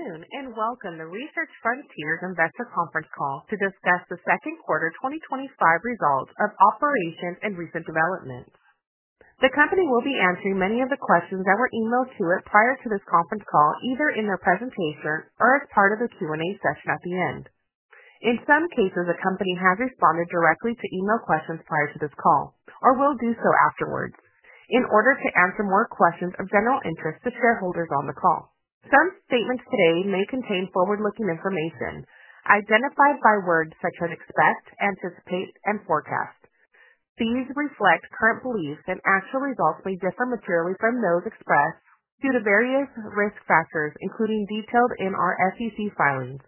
Good afternoon and welcome to the Research Frontiers Investor Conference call to discuss the second quarter 2025 results of operations and recent development. The company will be answering many of the questions that were emailed to it prior to this conference call, either in their presentation or as part of the Q&A session at the end. In some cases, the company has responded directly to email questions prior to this call or will do so afterwards in order to answer more questions of general interest to shareholders on the call. Some statements today may contain forward-looking information identified by words such as expressed, anticipate, and forecast. These reflect current beliefs and actual results may differ materially from those expressed due to various risk factors including detailed in our SEC filings.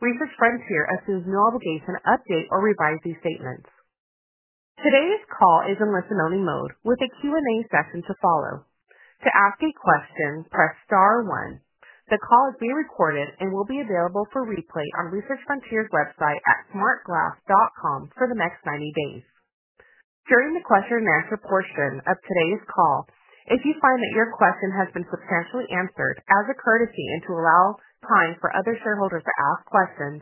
Research Frontiers assumes no obligation to update or revise these statements. Today's call is in listen-only mode with a Q&A session to follow. To ask a question, press star one. The call is being recorded and will be available for replay on Research Frontiers' website at smartglass.com for the next 90 days. During the question and answer portion of today's call, if you find that your question has been successfully answered as a courtesy and to allow time for other shareholders to ask questions,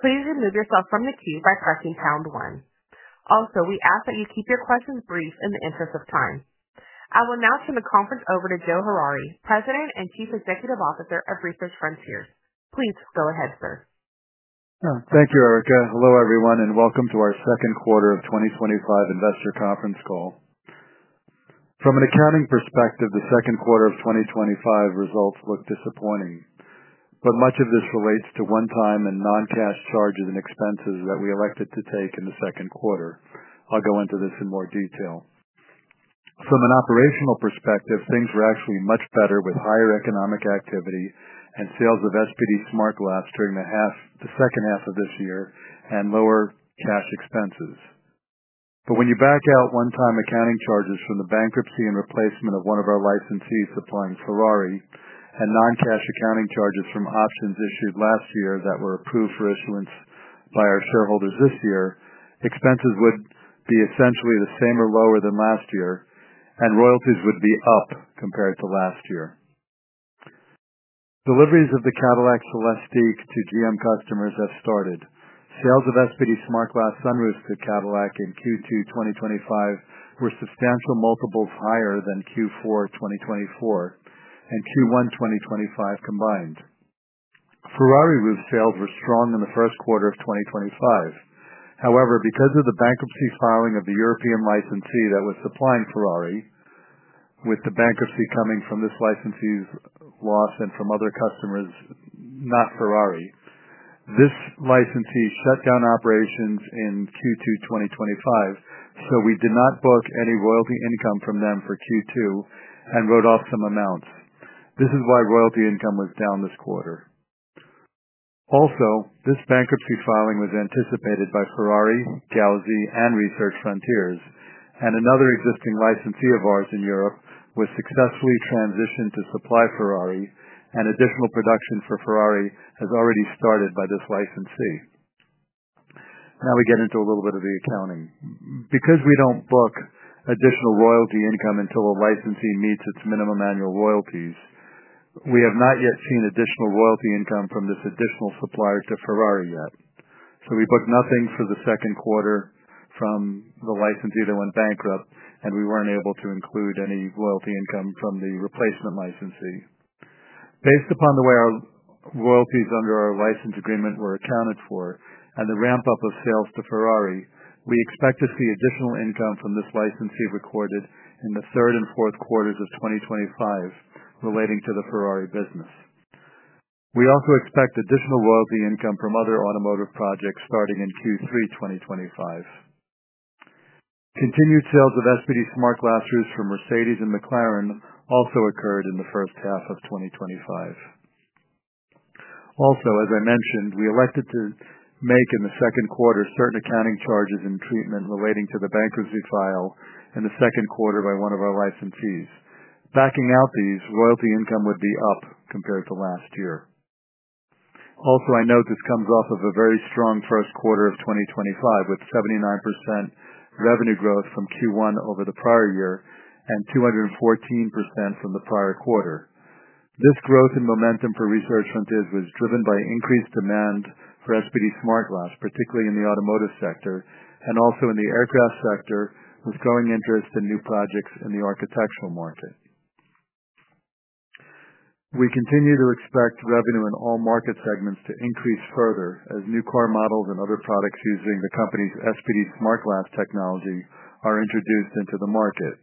please remove yourself from the queue by pressing pound one. Also, we ask that you keep your questions brief in the interest of time. I will now turn the conference over to Joe Harary, President and Chief Executive Officer of Research Frontiers. Please go ahead, sir. Thank you, Erica. Hello, everyone, and welcome to our second quarter of 2025 Investor Conference call. From an accounting perspective, the second quarter of 2025 results look disappointing, but much of this relates to one-time and non-cash surge in expenses that we elected to take in the second quarter. I'll go into this in more detail. From an operational perspective, things were actually much better with higher economic activity and sales of SPD-SmartGlass during the second half of this year and lower cash expenses. When you back out one-time accounting charges from the bankruptcy and replacement of one of our licensees supplying Ferrari and non-cash accounting charges from Austin's issue last year that were approved for influence by our shareholders this year, expenses would be essentially the same or lower than last year, and royalties would be up compared to last year. Deliveries of the Cadillac Celestiq to GM customers have started. Sales of SPD-SmartGlass sunroofs to Cadillac in Q2 2025 were substantial multiples higher than Q4 2024 and Q1 2025 combined. Ferrari roofs failed withdrawing in the first quarter of 2025. However, because of the bankruptcy filing of the European licensee that was supplying Ferrari, with the bankruptcy coming from this licensee's loss and from other customers not Ferrari, this licensee shut down operations in Q2 2025. We did not book any royalty income from them for Q2 and wrote off some amount. This is why royalty income was down this quarter. This bankruptcy filing was anticipated by Ferrari, Gauzy, and Research Frontiers, and another existing licensee of ours in Europe was successfully transitioned to supply Ferrari, and additional production for Ferrari has already started by this licensee. Now we get into a little bit of the accounting. Because we don't book additional royalty income until a licensee meets its minimum annual royalties, we have not yet seen additional royalty income from this additional supplier to Ferrari yet. We booked nothing for the second quarter from the licensee that went bankrupt, and we weren't able to include any royalty income from the replacement licensee. Based upon the way our royalties under our license agreement were accounted for and the ramp-up of sales to Ferrari, we expect to see additional income from this licensee recorded in the third and fourth quarters of 2025 relating to the Ferrari business. We also expect additional royalty income from other automotive projects starting in Q3 2025. Continued sales of SPD-SmartGlass roofs from Mercedes and McLaren also occurred in the first half of 2025. Also, as I mentioned, we elected to make in the second quarter certain accounting charges and treatment relating to the bankruptcy filed in the second quarter by one of our licensees. Backing out these, royalty income would be up compared to last year. Also, I know this comes off of a very strong first quarter of 2025 with 79% revenue growth from Q1 over the prior year and 214% from the prior quarter. This growth in momentum for Research Frontiers was driven by increased demand for SPD-SmartGlass, particularly in the automotive sector and also in the aircraft sector with growing interest in new projects in the architectural market. We continue to expect revenue in all market segments to increase further as new car models and other products using the company's SPD-SmartGlass technology are introduced into the market.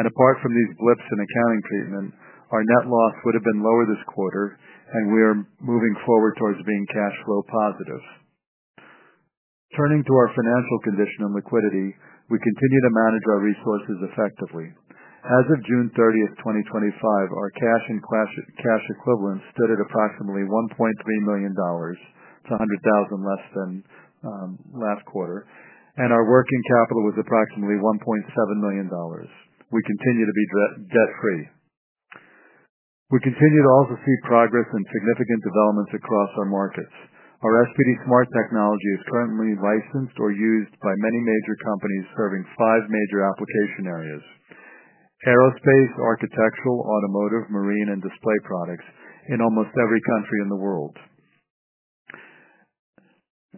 Apart from these blips in accounting treatment, our net loss would have been lower this quarter, and we are moving forward towards being cash flow positive. Turning to our financial condition and liquidity, we continue to manage our resources effectively. As of June 30, 2025, our cash equivalents stood at approximately $1.3 million, $200,000 less than last quarter, and our working capital was approximately $1.7 million. We continue to be debt-free. We continue to also see progress and significant developments across our markets. Our SPD-Smart technology is currently licensed or used by many major companies serving five major application areas: aerospace, architectural, automotive, marine, and display products in almost every country in the world.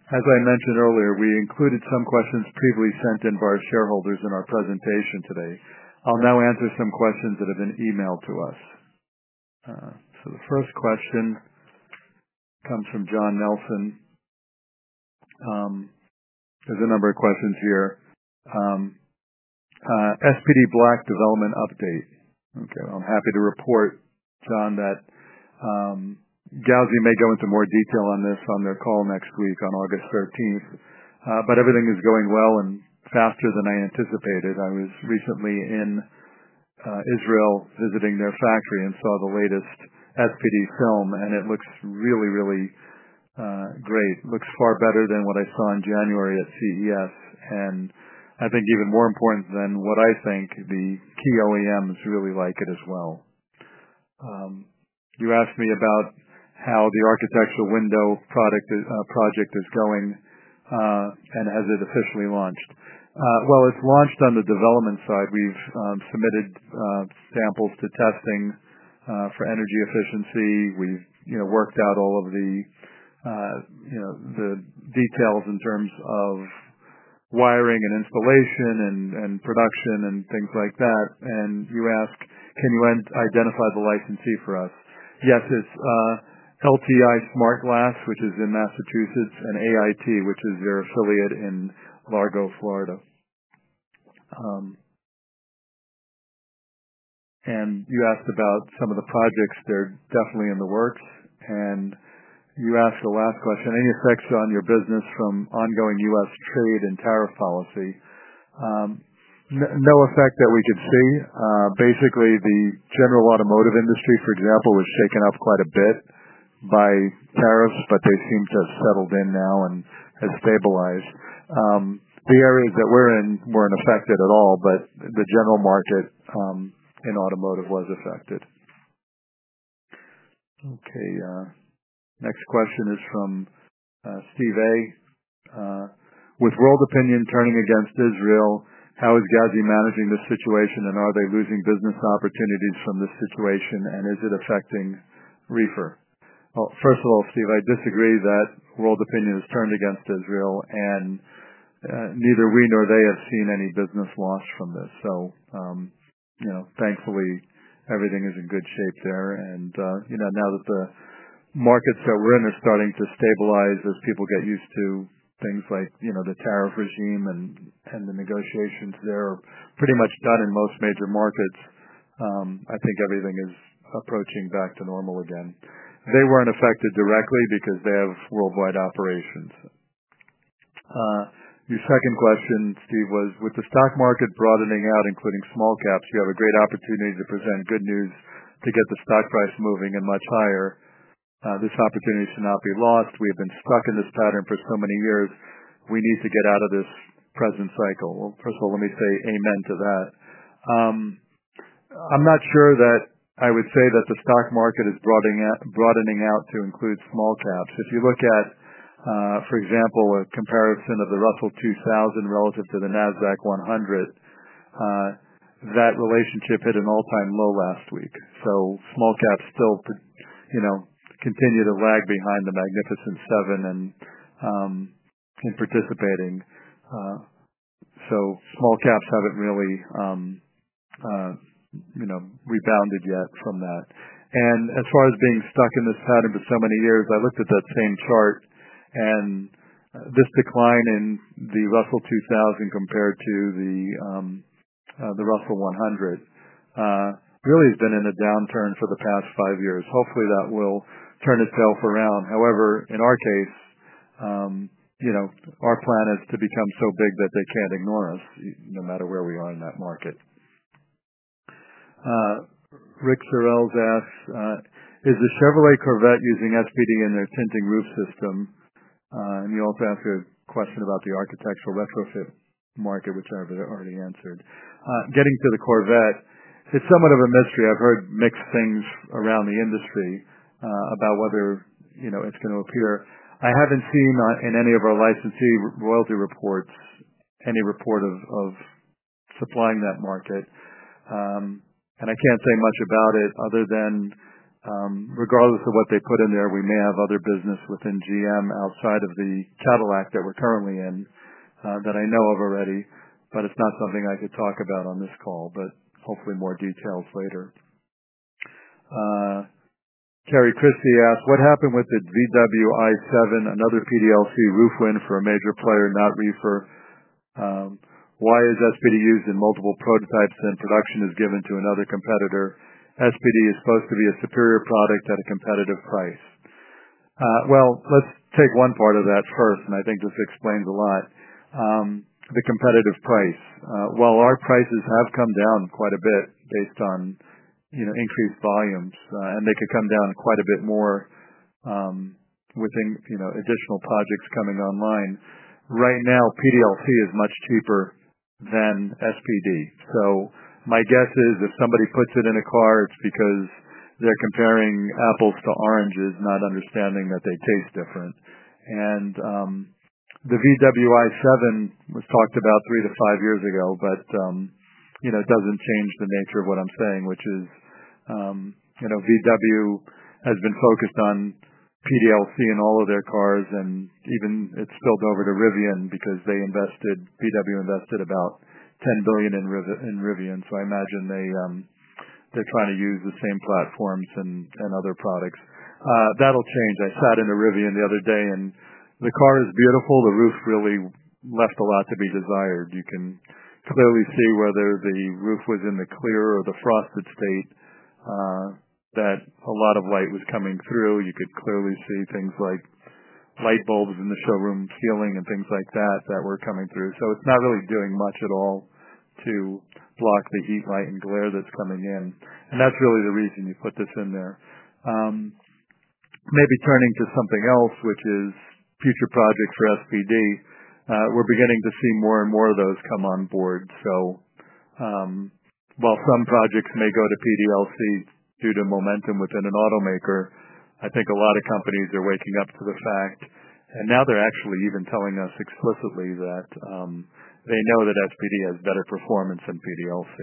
As I mentioned earlier, we included some questions previously sent in by our shareholders in our presentation today. I'll now answer some questions that have been emailed to us. The first question comes from John Nelson. There's a number of questions here. SPD Black development update. I'm happy to report, John, that Gauzy may go into more detail on this on their call next week on August 13. Everything is going well and faster than I anticipated. I was recently in Israel visiting their factory and saw the latest SPD film, and it looks really, really great. It looks far better than what I saw in January at CES, and I think even more important than what I think, the key OEMs really like it as well. You asked me about how the architectural window project is going and has it officially launched. It has launched on the development side. We've submitted samples to testing for energy efficiency. We've worked out all of the details in terms of wiring and installation and production and things like that. You asked, can you identify the licensee for us? Yes, it's LTI Smart Glass, which is in Massachusetts, and AIT, which is your affiliate in Largo, Florida. You asked about some of the projects. They're definitely in the works. You asked the last question, any effects on your business from ongoing U.S. trade and tariff policy? No effect that we could see. Basically, the general automotive industry, for example, was taken up quite a bit by tariffs, but they seem to have settled in now and have stabilized. The areas that we're in weren't affected at all, but the general market in automotive was affected. Next question is from Steve A. With world opinion turning against Israel, how is Gauzy managing this situation, and are they losing business opportunities from this situation, and is it affecting Research Frontiers? First of all, Steve, I disagree that world opinion is turned against Israel, and neither we nor they have seen any business loss from this. Thankfully, everything is in good shape there. Now that the markets that we're in are starting to stabilize as people get used to things like the tariff regime and the negotiations, they're pretty much done in most major markets. I think everything is approaching back to normal again. They weren't affected directly because they have worldwide operations. Your second question, Steve, was with the stock market broadening out, including small caps, you have a great opportunity to present good news to get the stock price moving and much higher. This opportunity should not be lost. We have been stuck in this pattern for so many years. We need to get out of this present cycle. Let me say amen to that. I'm not sure that I would say that the stock market is broadening out to include small caps. If you look at, for example, a comparison of the Russell 2000 relative to the Nasdaq-100, that relationship hit an all-time low last week. Small caps still continue to lag behind the Magnificent Seven and participating. Small caps haven't really rebounded yet from that. As far as being stuck in this pattern for so many years, I looked at that same chart, and this decline in the Russell 2000 compared to the Russell 100 really has been in a downturn for the past five years. Hopefully, that will turn itself around. However, in our case, our plan is to become so big that they can't ignore us no matter where we are in that market. Rick Sorrells asks, is the Chevrolet Corvette using SPD in their tinting roof system? You also asked a question about the architectural retrofit market, which I've already answered. Getting to the Corvette, it's somewhat of a mystery. I've heard mixed things around the industry about whether it's going to appear. I haven't seen in any of our licensee royalty reports any report of supplying that market. I can't say much about it other than, regardless of what they put in there, we may have other business within GM outside of the Cadillac that we're currently in that I know of already, but it's not something I could talk about on this call, but hopefully more details later. Carrie Christie asked, what happened with the VW ID.7, another PDLC roof win for a major player, not REFR? Why is SPD used in multiple prototypes and production is given to another competitor? SPD is supposed to be a superior product at a competitive price. Let's take one part of that first, and I think this explains a lot. The competitive price. Our prices have come down quite a bit based on increased volumes, and they could come down quite a bit more with additional projects coming online. Right now, PDLC is much cheaper than SPD. My guess is if somebody puts it in a car, it's because they're comparing apples to oranges, not understanding that they taste different. The VW ID.7 was talked about three to five years ago, but it doesn't change the nature of what I'm saying, which is VW has been focused on PDLC in all of their cars, and even it's spilled over to Rivian because VW invested about $10 billion in Rivian. I imagine they're trying to use the same platforms and other products. That'll change. I sat in a Rivian the other day, and the car is beautiful. The roof really left a lot to be desired. You can clearly see whether the roof was in the clear or the frosted state that a lot of light was coming through. You could clearly see things like light bulbs in the showroom ceiling and things like that that were coming through. It's not really doing much at all to block the heat, light, and glare that's coming in. That's really the reason you put this in there. Maybe turning to something else, which is future projects for SPD, we're beginning to see more and more of those come on board. While some projects may go to PDLC due to momentum within an automaker, I think a lot of companies are waking up to the fact, and now they're actually even telling us explicitly that they know that SPD has better performance than PDLC.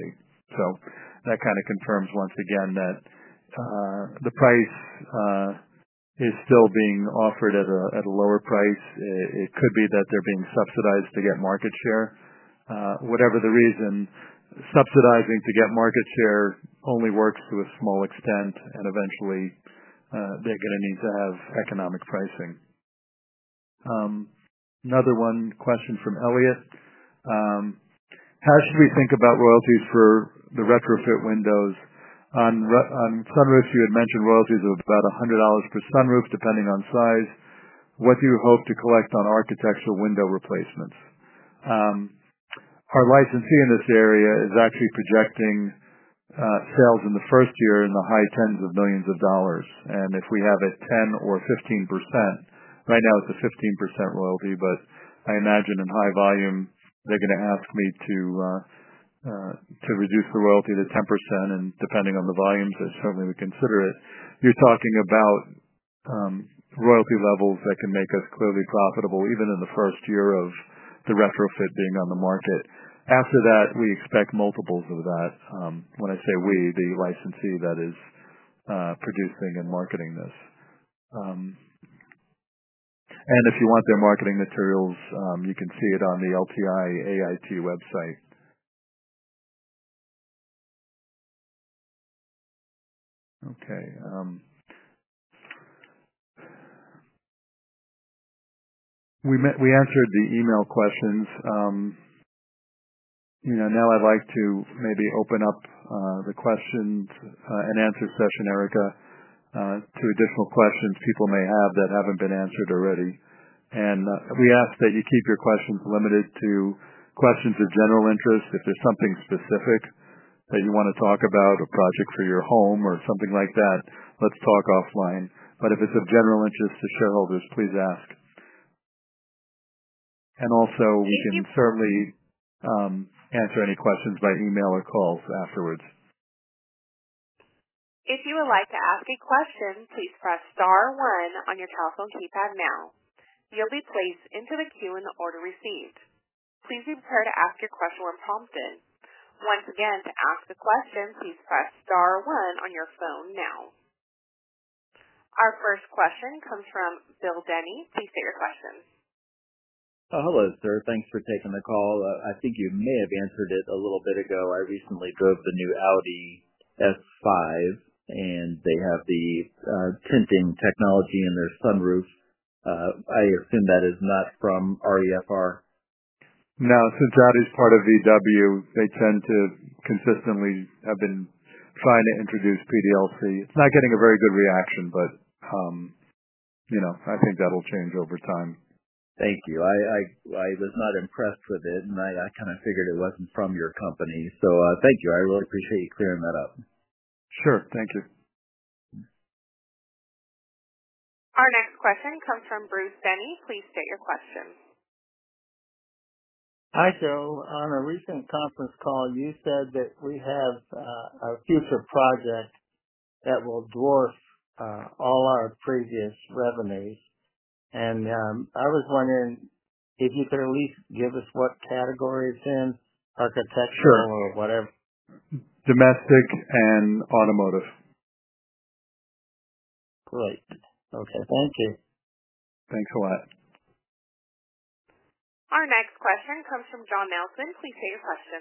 That kind of confirms once again that the price is still being offered at a lower price. It could be that they're being subsidized to get market share. Whatever the reason, subsidizing to get market share only works to a small extent, and eventually, they're going to need to have economic pricing. Another question from Eliot. How should we think about royalties for the retrofit windows? On sunroofs, you had mentioned royalties of about $100 per sunroof depending on size. What do you hope to collect on architectural window replacements? Our licensee in this area is actually projecting sales in the first year in the high tens of millions of dollars. If we have a 10% or 15%, right now it's a 15% royalty, but I imagine in high volume, they're going to ask me to reduce the royalty to 10%. Depending on the volumes, I certainly would consider it. You're talking about royalty levels that can make us clearly profitable even in the first year of the retrofit being on the market. After that, we expect multiples of that. When I say we, the licensee that is producing and marketing this. If you want their marketing materials, you can see it on the LTI AIT website. We answered the email questions. Now I'd like to maybe open up the questions and answer session, Erica, to additional questions people may have that haven't been answered already. We ask that you keep your questions limited to questions of general interest. If there's something specific that you want to talk about, a project for your home or something like that, let's talk offline. If it's of general interest to shareholders, please ask. We can certainly answer any questions by email or calls afterwards. If you would like to ask a question, please press star one on your telephone keypad now. You'll be placed into the queue in order received. Please be prepared to ask your question when prompted. Once again, to ask a question, please press star one on your phone now. Our first question comes from Bill Denny. Please state your question. Hello, sir. Thanks for taking the call. I think you may have answered it a little bit ago. I recently drove the new Audi S5, and they have the tinting technology in their sunroof. I assume that is not from REFR? No. Since Audi is part of VW, they tend to consistently have been trying to introduce PDLC. It's not getting a very good reaction, but I think that'll change over time. Thank you. I was not impressed with it, and I kind of figured it wasn't from your company. Thank you, I really appreciate you clearing that up. Sure. Thank you. Our next question comes from Bruce Denny. Please state your question. Hi, Joe. On a recent conference call, you said that we have a future project that will dwarf all our previous revenues. I was wondering if you could at least give us what category it's in, architectural or whatever. Domestic and automotive. Great. Okay. Thank you. Thanks a lot. Our next question comes from John Nelson. Please state your question.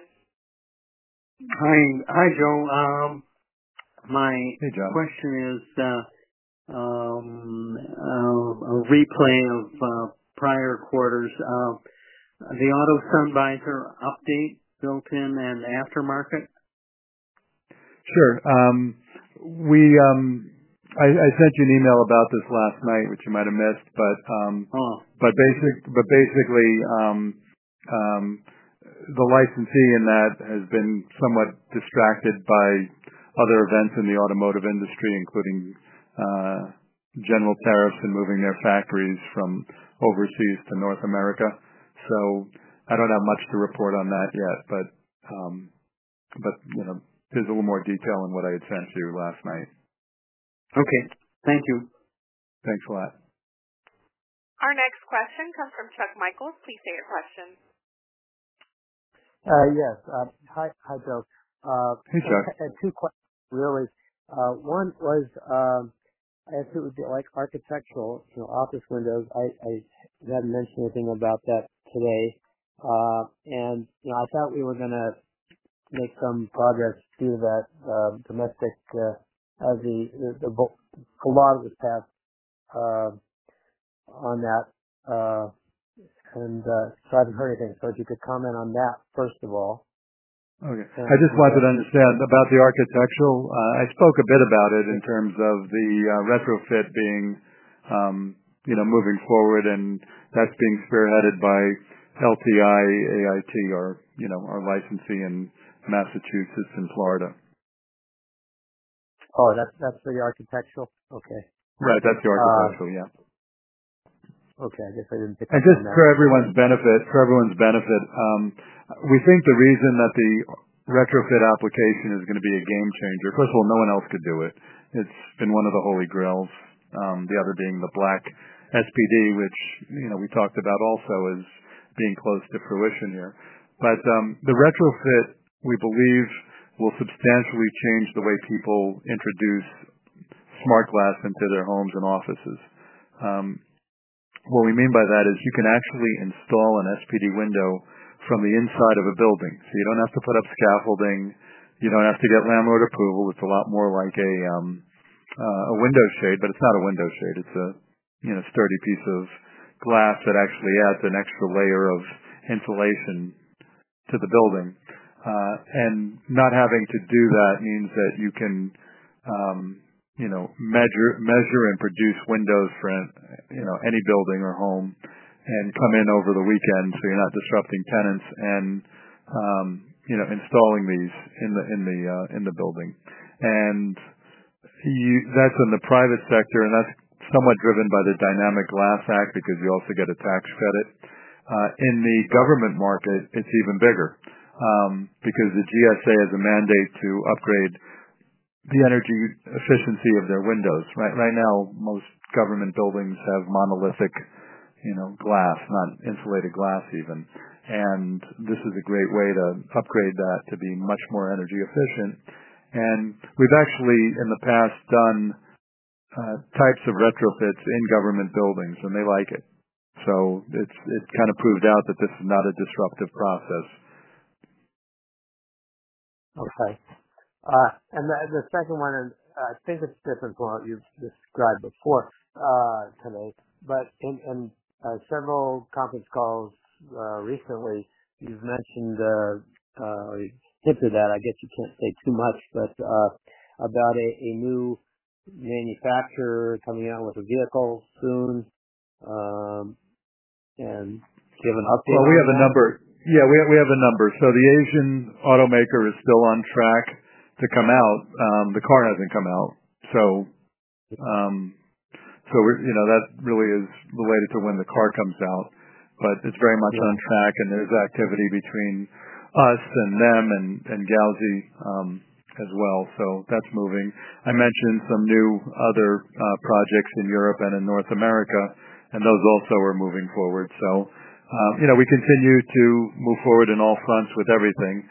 Hi, Joe. My question is a replay of prior quarters. The auto sun visor update built-in and aftermarket? Sure. I sent you an email about this last night, which you might have missed. Basically, the licensee in that has been somewhat distracted by other events in the automotive industry, including general tariffs and moving their factories from overseas to North America. I don't have much to report on that yet, but you know there's a little more detail in what I had sent you last night. Okay, thank you. Thanks a lot. Our next question comes from Chuck Michaels. Please state your question. Yes. Hi, Joe. Hey, Chuck. I had two questions, really. One was, I asked you if you would like architectural office windows. I hadn't mentioned anything about that today. I thought we were going to make some progress to that domestic as the law was passed on that. I haven't heard anything, so if you could comment on that, first of all. Okay. I just wanted to understand about the architectural. I spoke a bit about it in terms of the retrofit being, you know, moving forward, and that's being spearheaded by LTI, AIT, or, you know, our licensee in Massachusetts and Florida. Oh, that's the architectural? Okay. Right. That's the architectural. Yeah. Okay, I guess I didn't think of that. For everyone's benefit, we think the reason that the retrofit application is going to be a game changer, first of all, no one else could do it. It's been one of the holy grails, the other being the black SPD, which, you know, we talked about also as being close to fruition here. The retrofit, we believe, will substantially change the way people introduce smart glass into their homes and offices. What we mean by that is you can actually install an SPD window from the inside of a building. You don't have to put up scaffolding. You don't have to get landlord approval. It's a lot more like a window shade, but it's not a window shade. It's a sturdy piece of glass that actually adds an extra layer of insulation to the building. Not having to do that means that you can measure and produce windows for any building or home and come in over the weekend so you're not disrupting tenants and installing these in the building. That's in the private sector, and that's somewhat driven by the Dynamic Glass Act because you also get a tax credit. In the government market, it's even bigger because the GSA has a mandate to upgrade the energy efficiency of their windows. Right now, most government buildings have monolithic, you know, glass, not insulated glass even. This is a great way to upgrade that to be much more energy efficient. We've actually, in the past, done types of retrofits in government buildings, and they like it. It kind of proved out that this is not a disruptive process. Okay. The second one, I think it's different from what you've described before, kind of. In several conference calls recently, you've mentioned and hinted at, I guess you can't say too much, about a new manufacturer coming out with a vehicle soon. Do you have an update? We have the number. Yeah, we have the number. The Asian automaker is still on track to come out. The car hasn't come out. You know that really is related to when the car comes out. It's very much on track, and there's activity between us and them and Gauzy as well. That's moving. I mentioned some new other projects in Europe and in North America, and those also are moving forward. We continue to move forward in all fronts with everything.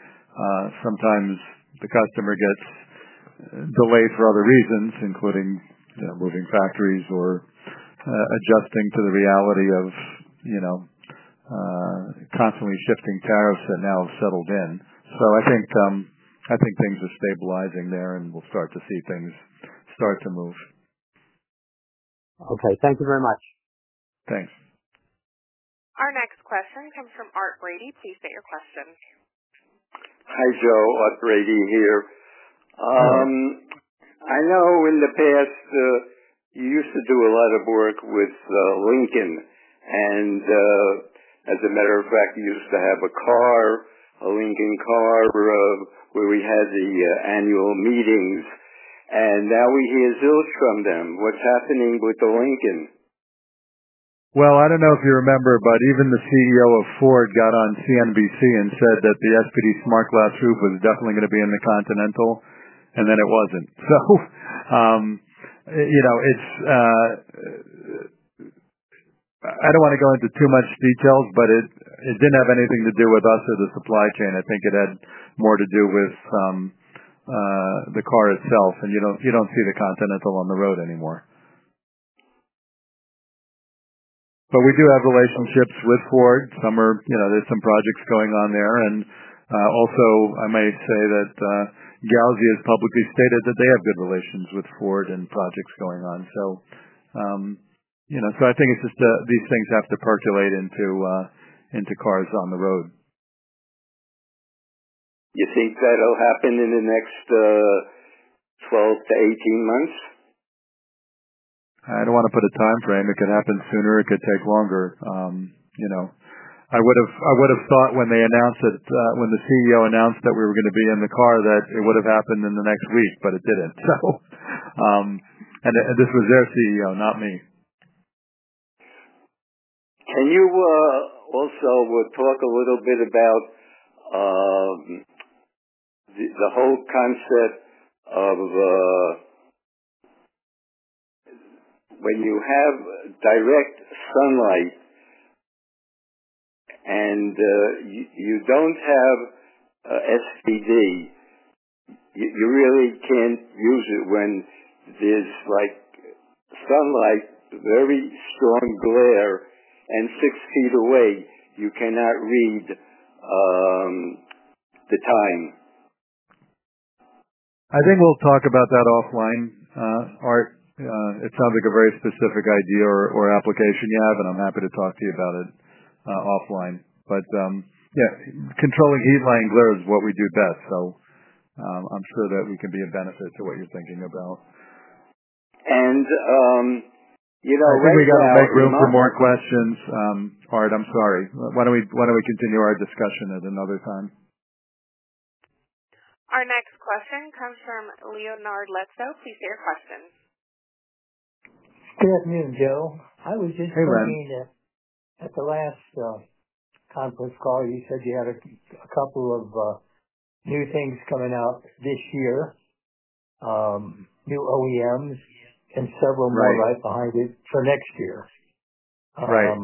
Sometimes the customer gets delayed for other reasons, including moving factories or adjusting to the reality of constantly shifting tariffs that now have settled in. I think things are stabilizing there, and we'll start to see things start to move. Okay, thank you very much. Thanks. Our next question comes from Art Brady. Please state your question. Hi, Joe. Art Brady here. I know in the past you used to do a lot of work with Lincoln. As a matter of fact, you used to have a car, a Lincoln car, where we had the annual meetings. Now we hear zilch from them. What's happening with the Lincoln? I don't know if you remember, but even the CEO of Ford got on CNBC and said that the SPD-SmartGlass roof was definitely going to be in the Continental, and then it wasn't. I don't want to go into too much detail, but it didn't have anything to do with us or the supply chain. I think it had more to do with the car itself. You don't see the Continental on the road anymore. We do have relationships with Ford. There are some projects going on there. I may say that Gauzy has publicly stated that they have good relations with Ford and projects going on. I think it's just that these things have to percolate into cars on the road. You think that'll happen in the next 12 to 18 months? I don't want to put a timeframe. It could happen sooner. It could take longer. I would have thought when they announced it, when the CEO announced that we were going to be in the car, that it would have happened in the next week, but it didn't. This was their CEO, not me. Can you also talk a little bit about the whole concept of when you have direct sunlight and you don't have SPD, you really can't use it when there's like sunlight, very strong glare, and six feet away, you cannot read the time. I think we'll talk about that offline. Art, it sounds like a very specific idea or application you have, and I'm happy to talk to you about it offline. Yeah, controlling heat, light, and glare is what we do best. I'm sure that we can be of benefit to what you're thinking about. I think we got to make room for more questions. Art, I'm sorry. Why don't we continue our discussion at another time? Our next question comes from Leonard Lezo. Please say your questions. Good afternoon, Joe. I was just thinking that at the last conference call, you said you had a couple of new things coming out this year, new OEMs, and several right behind it for next year. Right.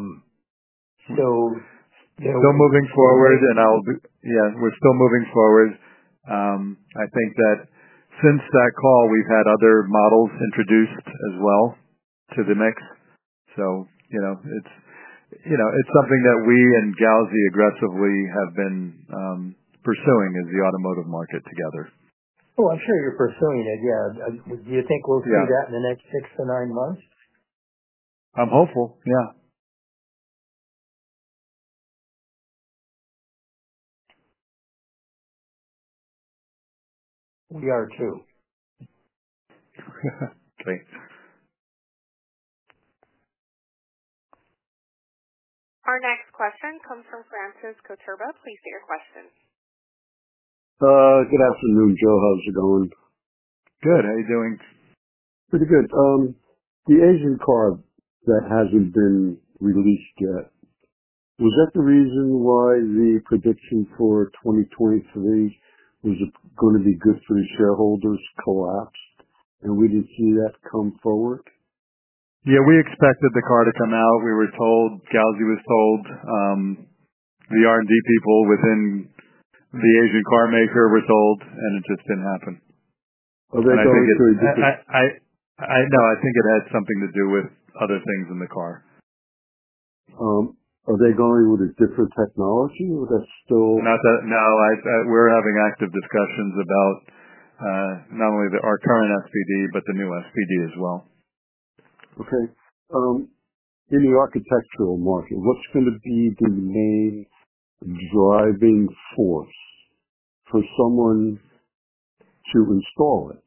Moving forward, we're still moving forward. I think that since that call, we've had other models introduced as well to the mix. It's something that we and Gauzy aggressively have been pursuing as the automotive market together. I'm sure you're pursuing it. Do you think we'll see that in the next six to nine months? I'm hopeful, yeah. We are too. Thanks. Our next question comes from Francis Couturba. Please state your question. Good afternoon, Joe. How's it going? Good. How are you doing? Pretty good. The Asian car that hasn't been released yet, was that the reason why the prediction for 2023 was going to be good for the shareholders to collapse? We didn't see that come forward? Yeah, we expected the car to come out. We were told, Gauzy was told, the R&D people within the Asian car maker were told, and it just didn't happen. Are they going to a different? No, I think it had something to do with other things in the car. Are they going with a different technology, or that's still? No, we're having active discussions about not only our current SPD, but the new SPD as well. Okay. In the architectural market, what's going to be the main driving force for someone to install it?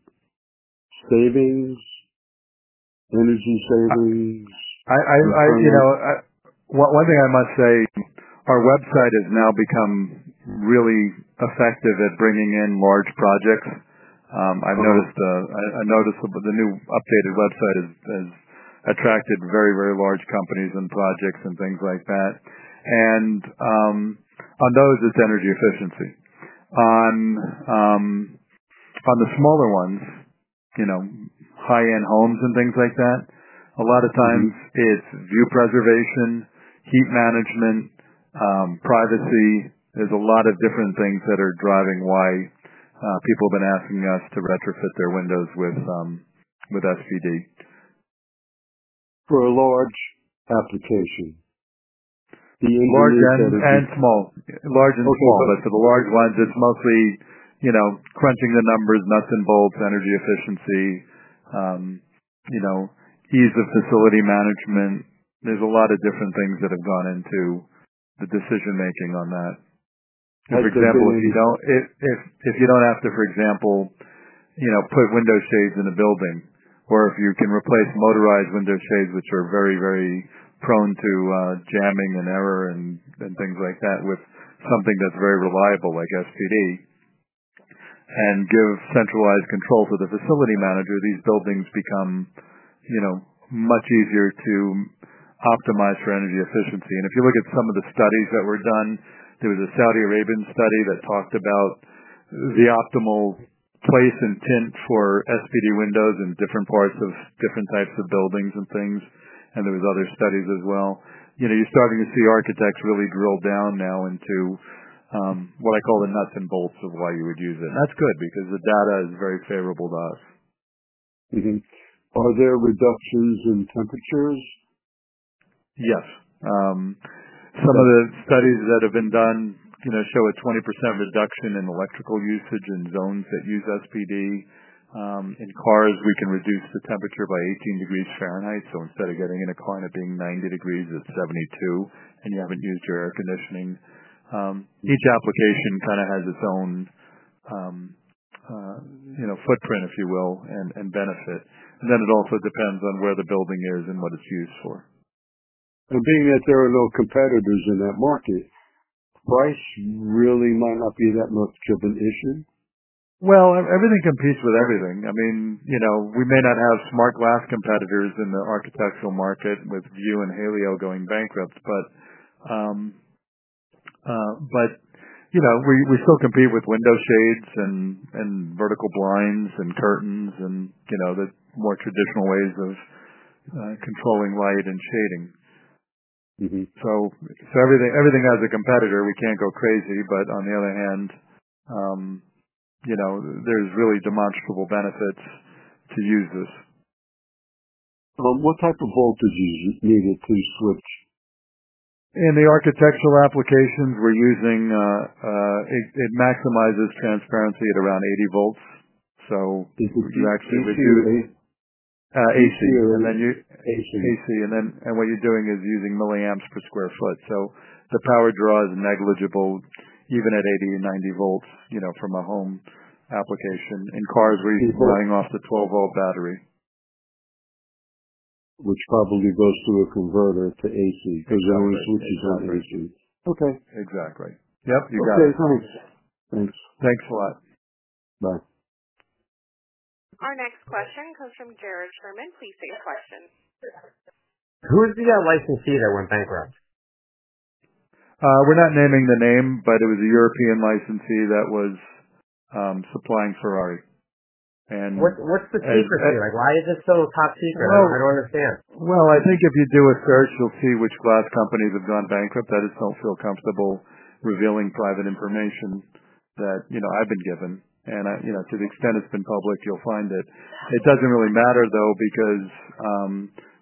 Saving? Energy saving? Our website has now become really effective at bringing in large projects. I've noticed the new updated website has attracted very, very large companies and projects and things like that. On those, it's energy efficiency. On the smaller ones, you know, high-end homes and things like that, a lot of times it's view preservation, heat management, privacy. There's a lot of different things that are driving why people have been asking us to retrofit their windows with SPD. For a large application, do you need that? Large and small. Large and small. For the large ones, it's mostly, you know, crunching the numbers, nuts and bolts, energy efficiency, ease of facility management. There's a lot of different things that have gone into the decision-making on that. For example, if you don't have to put window shades in a building, or if you can replace motorized window shades, which are very, very prone to jamming and error and things like that, with something that's very reliable like SPD and give centralized control to the facility manager, these buildings become much easier to optimize for energy efficiency. If you look at some of the studies that were done, there was a Saudi Arabian study that talked about the optimal place and tint for SPD windows in different parts of different types of buildings and things. There were other studies as well. You're starting to see architects really drill down now into what I call the nuts and bolts of why you would use it. That's good because the data is very favorable to us. Are there reductions in temperatures? Yes. Some of the studies that have been done show a 20% reduction in electrical usage in zones that use SPD. In cars, we can reduce the temperature by 18 degrees Fahrenheit. Instead of getting in a car and it being 90 degrees Fahrenheit, it's 72 degrees Fahrenheit, and you haven't used your air conditioning. Each application kind of has its own footprint, if you will, and benefit. It also depends on where the building is and what it's used for. Given that there are no competitors in that market, price really might not be that much of an issue? Everything competes with everything. I mean, you know, we may not have smart glass competitors in the architectural market with View and Halio going bankrupt, but you know, we still compete with window shades and vertical blinds and curtains, and the more traditional ways of controlling light and shading. Everything has a competitor. We can't go crazy. On the other hand, you know, there's really demonstrable benefits to use this. What type of voltage is it able to switch? In the architectural applications we're using, it maximizes transparency at around 80 volts. If you actually. AC? AC, and then you. AC. What you're doing is using milliamps per square foot. The power draw is negligible even at 80-90 volts, you know, from a home application. In cars, we're even running off the 12-volt battery. Which probably goes through a converter to AC. That one's mostly going to AC. Exactly. Okay. Exactly. Yep, you got it. Okay. Thanks. Thanks. Thanks a lot. Bye. Our next question comes from Jared Sherman. Please state your question. Who is the licensee that went bankrupt? We're not naming the name, but it was a European licensee that was supplying Ferrari. What's the secret here? Why is this so top secret? I don't understand. I think if you do a search, you'll see which glass companies have gone bankrupt. I just don't feel comfortable revealing private information that I've been given. To the extent it's been public, you'll find it. It doesn't really matter, though, because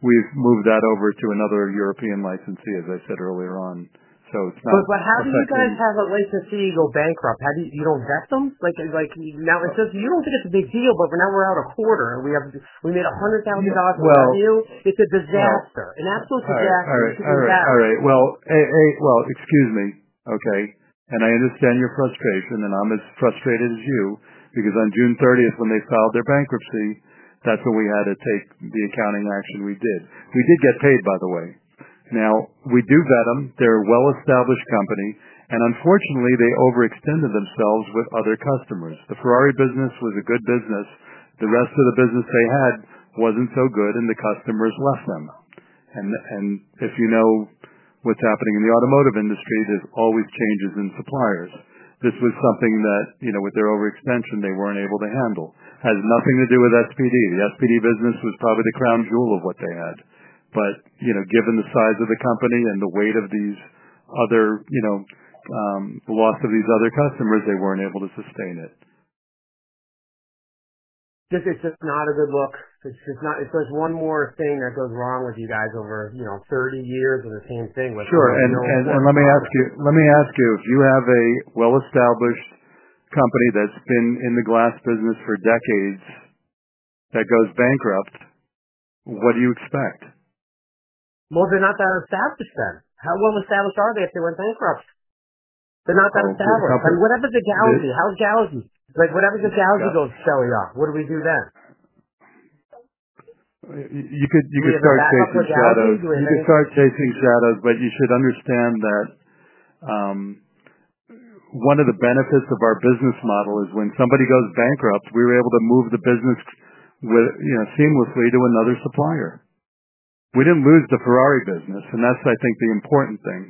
we've moved that over to another European licensee, as I said earlier on. It's not. How do you guys have a licensee go bankrupt? How do you not vet them? You know, it says you don't think it's a big deal, but now we're out a quarter. We made $100,000 in revenue. It's a disaster. An absolute disaster. All right. Excuse me. I understand your frustration, and I'm as frustrated as you because on June 30, when they filed their bankruptcy, that's when we had to take the accounting action we did. We did get paid, by the way. We do vet them. They're a well-established company. Unfortunately, they overextended themselves with other customers. The Ferrari business was a good business. The rest of the business they had wasn't so good, and the customers left them. If you know what's happening in the automotive industry, there's always changes in suppliers. This was something that, with their overextension, they weren't able to handle. It has nothing to do with SPD. The SPD business was probably the crown jewel of what they had. Given the size of the company and the weight of the loss of these other customers, they weren't able to sustain it. Because it's just not a good look. It's just not. If there's one more thing that goes wrong with you guys over 30 years of the same thing, what's the problem? Let me ask you, if you have a well-established company that's been in the glass business for decades that goes bankrupt, what do you expect? How well-established are they if they went bankrupt? They're not that established. Whatever the, how's Gauzy? Whatever the Gauzy goes, Shelly, what do we do then? You could start chasing shadows, but you should understand that one of the benefits of our business model is when somebody goes bankrupt, we were able to move the business seamlessly to another supplier. We didn't lose the Ferrari business, and that's, I think, the important thing.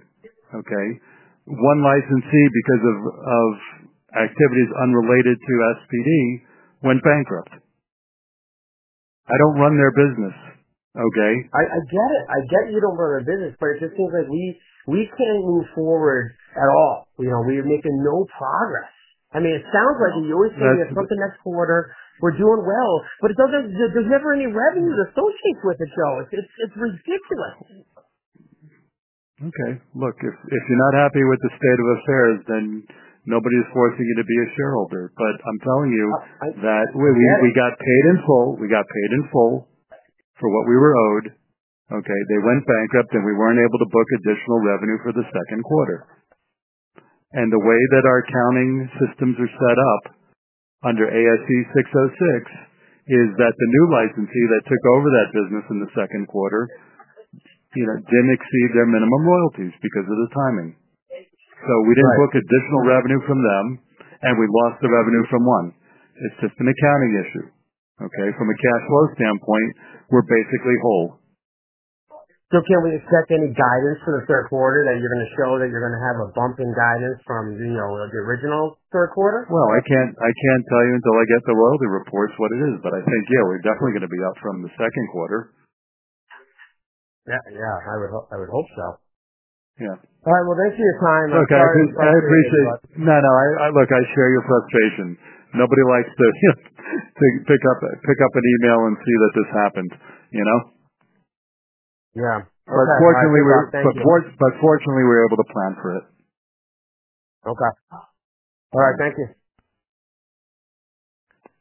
One licensee, because of activities unrelated to SPD, went bankrupt. I don't run their business. I get it. I get you don't run their business, but it just seems like we can't move forward at all. You know, we are making no progress. I mean, it sounds like the USP is something next quarter. We're doing well, but there's never any revenue associated with it, Joe. It's ridiculous. Okay. Look, if you're not happy with the state of affairs, then nobody's forcing you to be a shareholder. I'm telling you that we got paid in full. We got paid in full for what we were owed. They went bankrupt, and we weren't able to book additional revenue for the second quarter. The way that our accounting systems are set up under ASC 606 is that the new licensee that took over that business in the second quarter didn't exceed their minimum royalties because of the timing. We didn't book additional revenue from them, and we lost the revenue from one. It's just an accounting issue. From a cash flow standpoint, we're basically whole. Can we expect any guidance for the third quarter that you're going to show, that you're going to have a bump in guidance from the original third quarter? I can't tell you until I get the royalty reports what it is, but I think, yeah, we're definitely going to be up from the second quarter. Yeah, I would hope so. Yeah. All right. Thank you for your time. Okay. I appreciate it. No, no. Look, I share your frustration. Nobody likes to pick up an email and see that this happened, you know? Yeah. Fortunately, we were able to plan for it. Okay. All right. Thank you.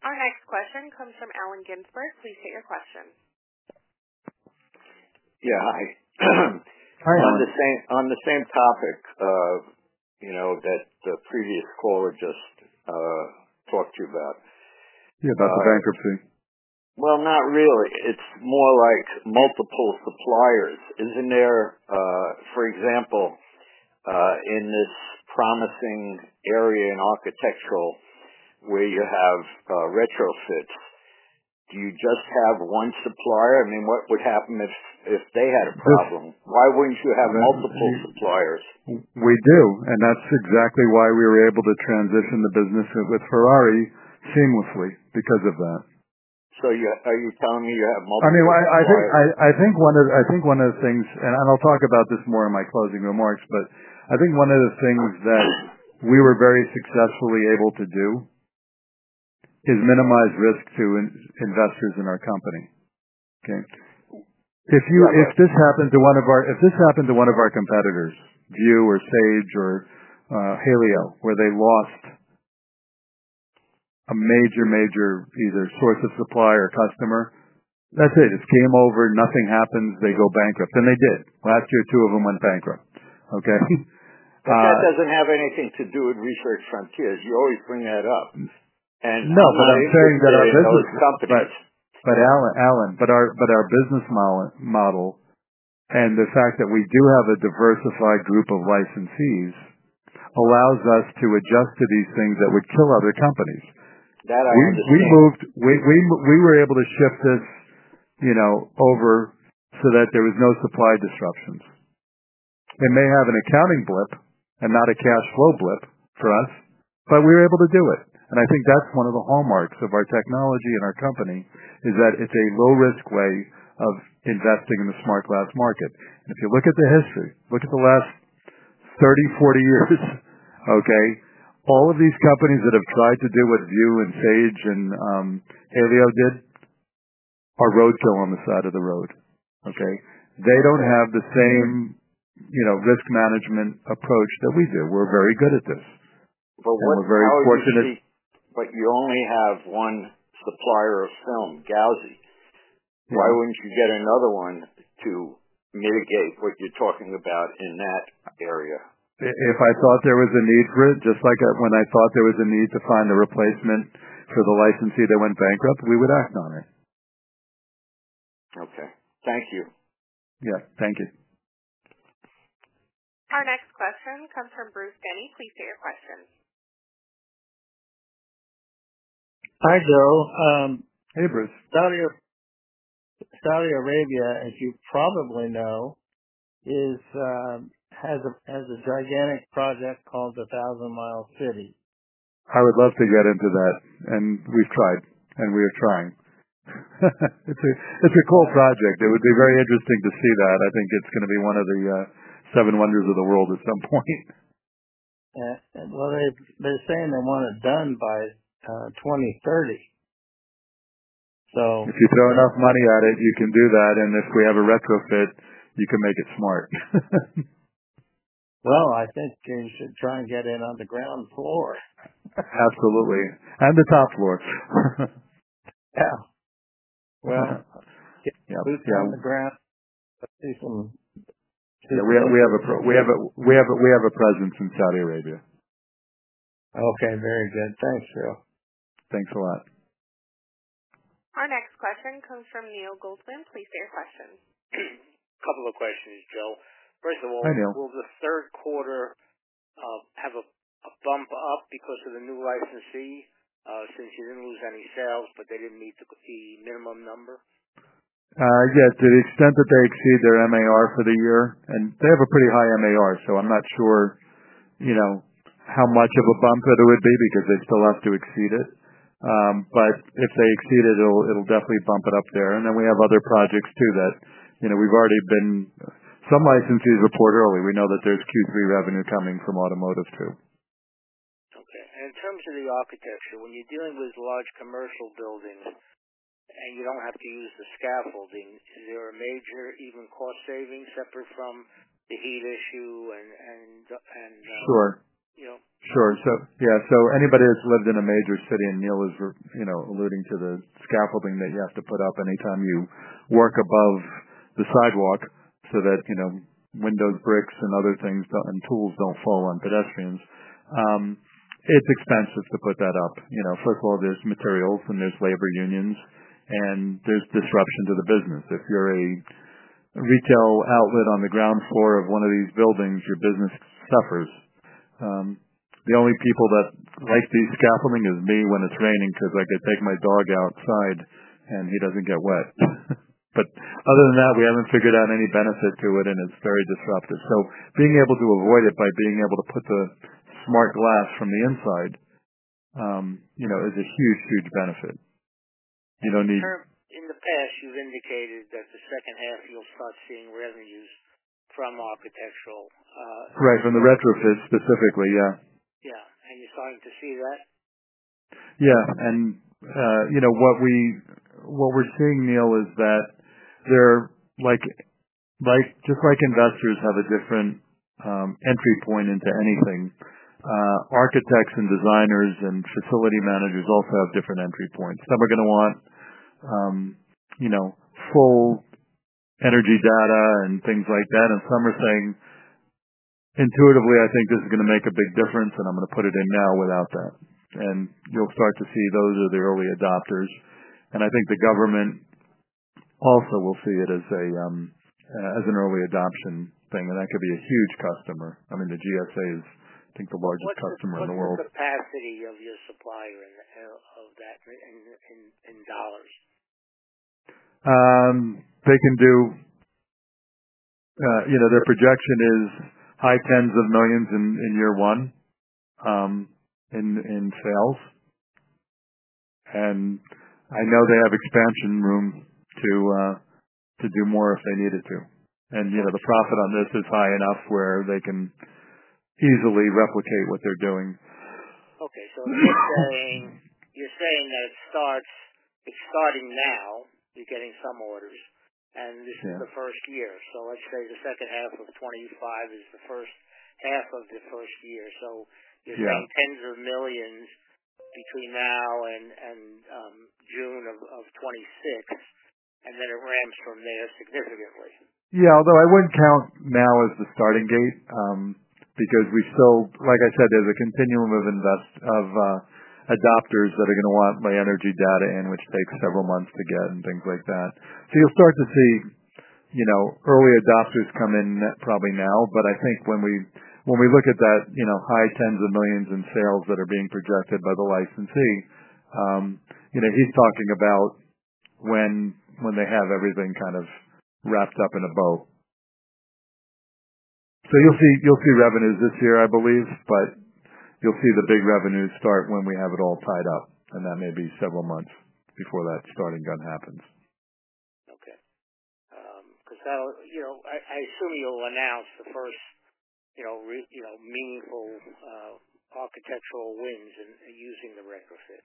Our next question comes from Alan Ginsberg. Please state your question. Yeah. Hi. Hi, Alan. On the same topic, you know, that the previous caller just talked to you about. Yeah, about the bankruptcy. It's more like multiple suppliers. Isn't there, for example, in this promising area in architectural where you have retrofit, do you just have one supplier? I mean, what would happen if they had a problem? Why wouldn't you have multiple suppliers? We do. That is exactly why we were able to transition the business with Ferrari seamlessly because of that. Are you telling me you have multiple? I think one of the things, and I'll talk about this more in my closing remarks, that we were very successfully able to do is minimize risk to investors in our company. If this happened to one of our competitors, View or Sage or Halio, where they lost a major, major either source of supply or customer, that's it. It just came over. Nothing happens. They go bankrupt. They did. Last year, two of them went bankrupt. It doesn't have anything to do with Research Frontiers. You always bring that up. I'm saying that our business. No, Alan, our business model and the fact that we do have a diversified group of licensees allows us to adjust to these things that would kill other companies. We were able to shift this over so that there was no supply disruptions. They may have an accounting blip and not a cash flow blip for us, but we were able to do it. I think that's one of the hallmarks of our technology and our company, that it's a low-risk way of investing in the smart glass market. If you look at the history, look at the last 30, 40 years, all of these companies that have tried to do what View and Sage and Halio did are roadkill on the side of the road. They don't have the same risk management approach that we do. We're very good at this. We're very fortunate. You only have one supplier of film, Gauzy. Why wouldn't you get another one to mitigate what you're talking about in that area? If I thought there was a need for it, just like when I thought there was a need to find a replacement for the licensee that went bankrupt, we would act on it. Okay, thank you. Thank you. Our next question comes from Bruce Denny. Please state your question. Hi, Joe. Hey, Bruce. Saudi Arabia, as you probably know, has a gigantic project called the Thousand Mile City. I would love to get into that. We've tried, and we are trying. It's a cool project. It would be very interesting to see that. I think it's going to be one of the seven wonders of the world at some point. They are saying they want it done by 2030. If you throw enough money at it, you can do that. If we have a retrofit, you can make it smart. I think you should try and get in on the ground floor. Absolutely. The top floor. Yeah. Well, yeah. We have a presence in Saudi Arabia. Okay. Very good. Thanks, Joe. Thanks a lot. Our next question comes from Neil Goldman. Please state your question. A couple of questions, Joe. First of all, will the third quarter have a bump up because of the new licensee since you didn't lose any sales, but they didn't meet the minimum number? Yes. To the extent that they exceed their MAR for the year, and they have a pretty high MAR, I'm not sure how much of a bump it would be because they still have to exceed it. If they exceed it, it'll definitely bump it up there. We have other projects too that we've already been, some licensees report early. We know that there's Q3 revenue coming from automotive too. Okay. In terms of the architecture, when you're dealing with large commercial buildings and you don't have to use the scaffolding, is there a major cost savings separate from the heat issue? Sure. Anybody that's lived in a major city and Neil is alluding to the scaffolding that you have to put up anytime you work above the sidewalk so that window bricks and other things and tools don't fall on pedestrians. It's expensive to put that up. First of all, there's materials and there's labor unions, and there's disruption to the business. If you're a retail outlet on the ground floor of one of these buildings, your business suffers. The only people that like these scaffoldings is me when it's raining so that I could take my dog outside and he doesn't get wet. Other than that, we haven't figured out any benefit to it, and it's very disruptive. Being able to avoid it by being able to put the smart glass from the inside is a huge, huge benefit. You don't need. In the past, you've indicated that the second half, you'll start seeing revenues from architectural. Right, from the retrofit specifically, yeah. You're starting to see that? Yeah. You know what we're seeing, Neil, is that just like investors have a different entry point into anything, architects and designers and facility managers also have different entry points. Some are going to want full energy data and things like that, and some are saying, intuitively, I think this is going to make a big difference, and I'm going to put it in now without that. You'll start to see those are the early adopters. I think the government also will see it as an early adoption thing, and that could be a huge customer. I mean, the GSA is, I think, the largest customer in the world. What's the capacity of your supplier of that in dollars? They can do, you know, their projection is high tens of millions in year one in sales. I know they have expansion room to do more if they needed to. The profit on this is high enough where they can easily replicate what they're doing. Okay. You're saying that it starts, it's starting now. You're getting some orders, and this is the first year. Let's say the second half of 2025 is the first half of the first year. There's tens of millions between now and June of 2026, and then it ramps from there significantly. Yeah. Although I wouldn't count now as the starting date because we still, like I said, there's a continuum of adopters that are going to want my energy data in, which takes several months to get and things like that. You'll start to see early adopters come in probably now. I think when we look at that high tens of millions in sales that are being projected by the licensee, he's talking about when they have everything kind of wrapped up in a bow. You'll see revenues this year, I believe, but you'll see the big revenues start when we have it all tied up. That may be several months before that starting gun happens. Okay, because that'll, you know, I assume you'll announce the first, you know, meaningful architectural wins in using the retrofit.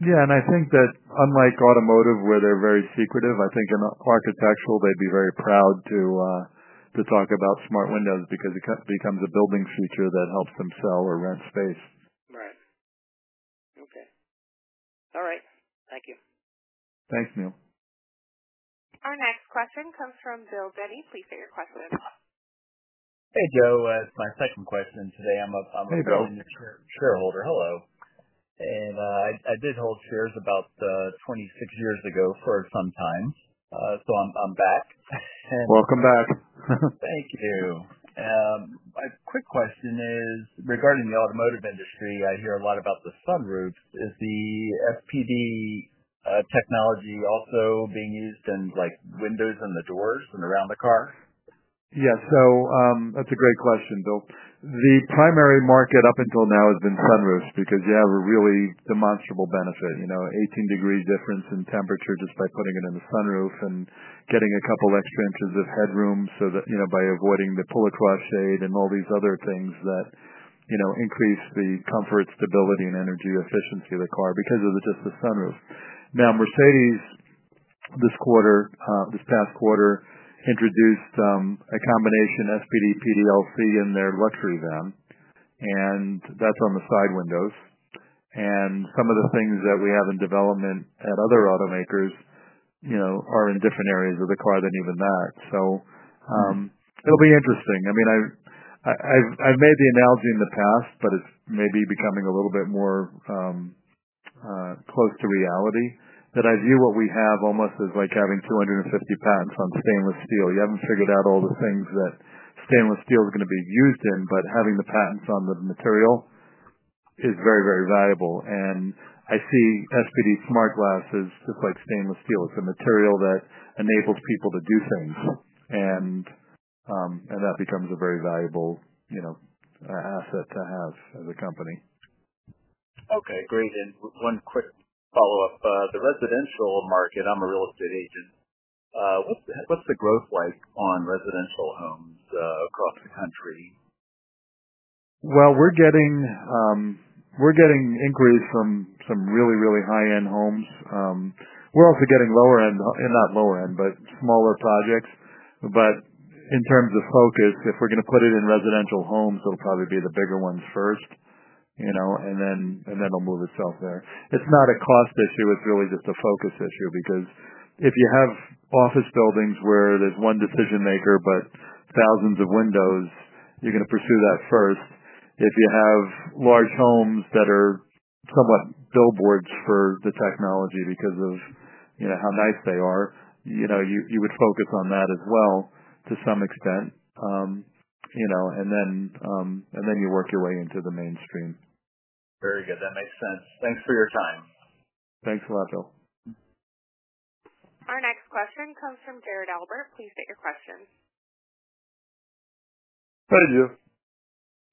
I think that unlike automotive where they're very secretive, I think in architectural, they'd be very proud to talk about smart windows because it becomes a building feature that helps them sell or rent space. Okay. All right. Thank you. Thanks, Neil. Our next question comes from Bill Denny. Please state your question. Hey, Joe. That's my second question. Today I'm a business shareholder. Hello. I did hold shares about 26 years ago for some time, so I'm back. Welcome back. Thank you. My quick question is regarding the automotive industry. I hear a lot about the sunroofs. Is the SPD-SmartGlass technology also being used in like windows and the doors and around the car? Yeah. That's a great question, Bill. The primary market up until now has been sunroofs because, yeah, we're really demonstrable benefit. You know, 18-degree difference in temperature just by putting it in the sunroof and getting a couple of expansions of headroom so that, you know, by avoiding the pull-a-cloth shade and all these other things that, you know, increase the comfort, stability, and energy efficiency of the car because of just the sunroof. Now, Mercedes this past quarter introduced a combination SPD-PDLC in their luxury van. That's on the side windows. Some of the things that we have in development at other automakers are in different areas of the car than even that. It'll be interesting. I've made the analogy in the past, but it's maybe becoming a little bit more close to reality that I view what we have almost as like having 250 patents on stainless steel. You haven't figured out all the things that stainless steel is going to be used in, but having the patents on the material is very, very valuable. I see SPD-SmartGlass just like stainless steel. It's a material that enables people to do things. That becomes a very valuable asset to have as a company. Okay. Great. One quick follow-up. The residential market, I'm a real estate agent. What's the growth like on residential homes across the country? We're getting inquiries from some really, really high-end homes. We're also getting lower-end, not lower-end, but smaller projects. In terms of focus, if we're going to put it in residential homes, it'll probably be the bigger ones first, you know, and then it'll move itself there. It's not a cost issue. It's really just a focus issue because if you have office buildings where there's one decision maker, but thousands of windows, you're going to pursue that first. If you have large homes that are somewhat billboards for the technology because of, you know, how nice they are, you would focus on that as well to some extent. You know, and then you work your way into the mainstream. Very good. That makes sense. Thanks for your time. Thanks a lot, Bill. Our next question comes from Jared Albert. Please state your question. How did you?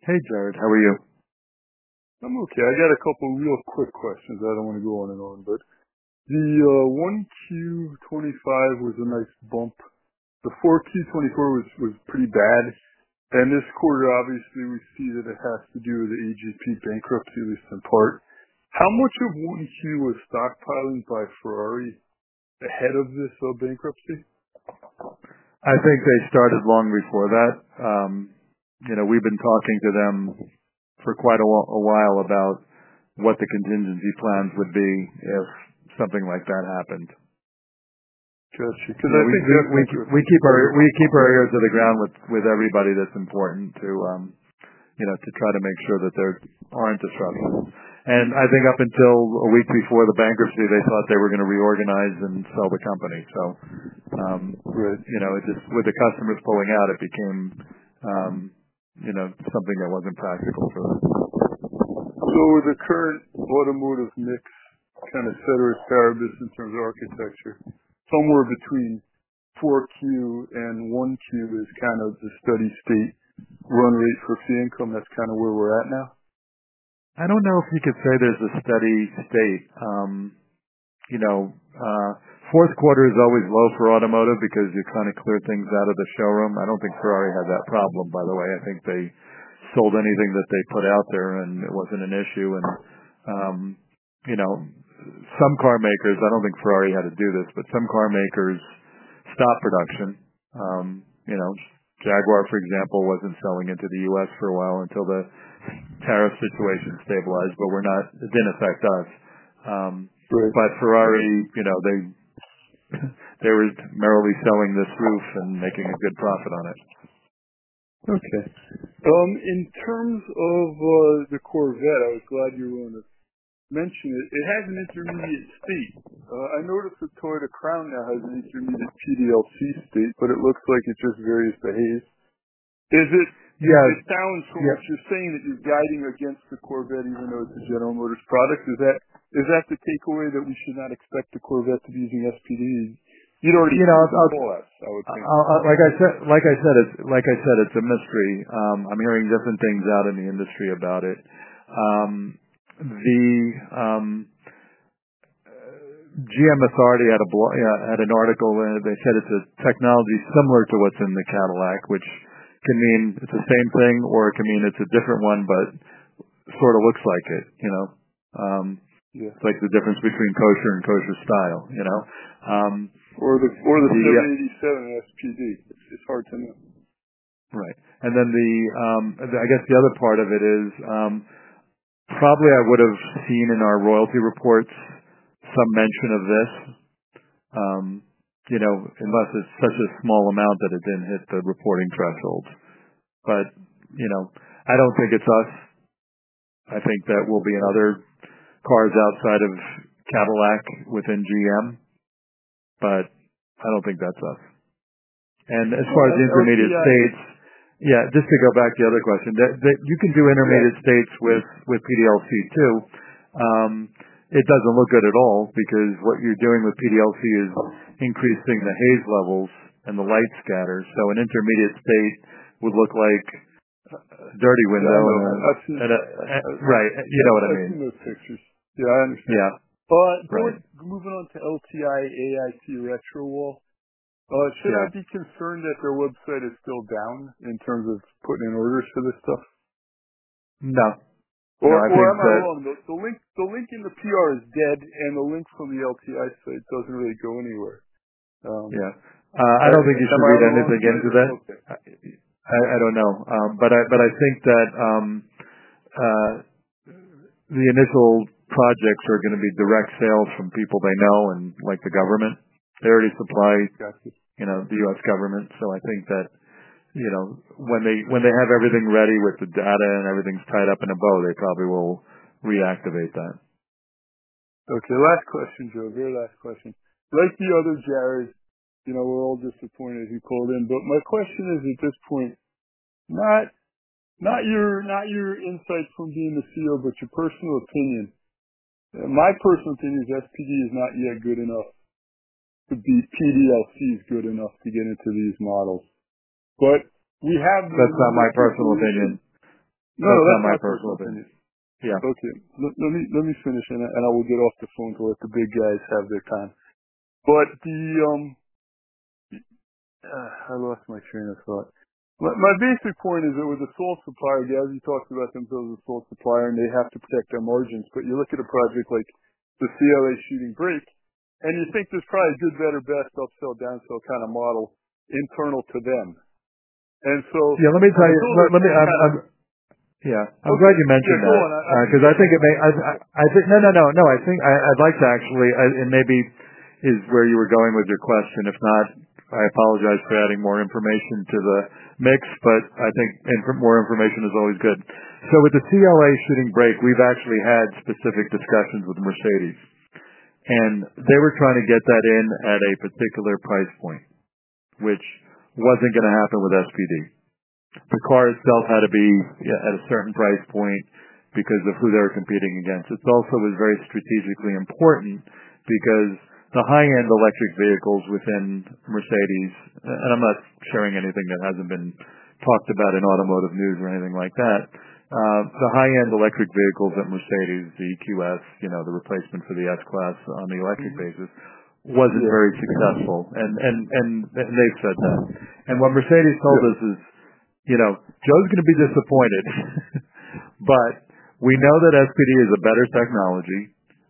Hey, Jared. How are you? I'm okay. I got a couple real quick questions. I don't want to go on and on. The 1Q 2025 was a nice bump. Before Q 2024, it was pretty bad. This quarter, obviously, we see that it has to do with the AGP bankruptcy, at least in part. How much of 1Q was stockpiling by Ferrari ahead of this bankruptcy? I think they started long before that. We've been talking to them for quite a while about what the contingency plans would be if something like that happened. Interesting. I think we keep our ears to the ground with everybody that's important to try to make sure that there aren't disruptions. I think up until a week before the bankruptcy, they thought they were going to reorganize and sell the company. With the customers pulling out, it became something that wasn't practical for them. With the current automotive mix, kind of ceteris paribus in terms of architecture, somewhere between 4Q and 1Q is kind of the steady state run rate for free income. That's kind of where we're at now? I don't know if we could say there's a steady date. You know, fourth quarter is always low for automotive because you kind of clear things out of the showroom. I don't think Ferrari had that problem, by the way. I think they sold anything that they put out there, and it wasn't an issue. Some carmakers, I don't think Ferrari had to do this, but some carmakers stopped production. Jaguar, for example, wasn't selling into the U.S. for a while until the tariff situation stabilized, but it didn't affect us. Ferrari, you know, they were merrily selling this roof and making a good profit on it. Okay. In terms of the Corvette, I was glad you wanted to mention it. It has an intermediate state. I noticed that Toyota Crown now has an intermediate PDLC state, but it looks like it just varies by age. Yeah. It sounds like you're saying that you're guiding against the Corvette even though it's a General Motors product. Is that the takeaway that we should not expect the Corvette to be using SPD? You'd already told us, I would think. Like I said, it's a mystery. I'm hearing different things out in the industry about it. The GM Authority had an article where they said it's a technology similar to what's in the Cadillac, which can mean it's the same thing or it can mean it's a different one, but it sort of looks like it. You know, it's like the difference between kosher and kosher-style. You know. It's hard to know. Right. The other part of it is probably I would have seen in our royalty reports some mention of this, unless it's such a small amount that it didn't hit the reporting threshold. I don't think it's us. I think that will be in other cars outside of Cadillac within GM. I don't think that's us. As far as the intermediate states, just to go back to the other question, you can do intermediate states with PDLC too. It doesn't look good at all because what you're doing with PDLC is increasing the haze levels and the light scatters. An intermediate state would look like a dirty window. I've seen it. Right. You know what I mean. I've seen the pictures. Yeah, I understand. Yeah. All right. Moving on to LTI-AIT retro wall. I'd say I'd be concerned that their website is still down in terms of putting in orders for this stuff. No. I think the link in the PR is dead, and the link from the LTI site doesn't really go anywhere. I don't think you should read anything into that. I don't know. I think that the initial projects are going to be direct sales from people they know, like the government. They already supply the U.S. government. I think that when they have everything ready with the data and everything's tied up in a bow, they probably will reactivate that. Okay. Last question, Joe. Very last question. When I see other Jareds, you know, we're all just surprised you called in. My question is at this point, not your insights from being the CEO, but your personal opinion. My personal opinion is SPD is not yet good enough. The PDLC is good enough to get into these models. We have. That's not my personal opinion. No, that's not my personal opinion. Okay. Let me finish, and I will get off the phone to let the big guys have their time. I lost my train of thought. My basic point is that with a sole supplier, as you talked about them building a sole supplier, and they have to protect their margins. You look at a project like the CLA Shooting Brake, and you think there's probably a good, better, best upsell, downsell kind of model internal to them. I'm glad you mentioned that. Go on. I think it may, I think I'd like to actually, it maybe is where you were going with your question. If not, I apologize for adding more information to the mix, but I think more information is always good. With the CLA Shooting Brake, we've actually had specific discussions with Mercedes. They were trying to get that in at a particular price point, which wasn't going to happen with SPD. The car itself had to be at a certain price point because of who they were competing against. It also was very strategically important because the high-end electric vehicles within Mercedes, and I'm not sharing anything that hasn't been talked about in automotive news or anything like that. The high-end electric vehicles at Mercedes, the EQS, you know, the replacement for the S-Class on the electric basis, wasn't very successful. They've said that. What Mercedes told us is, you know, Joe's going to be disappointed. We know that SPD is a better technology.